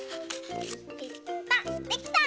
ペッタンできた！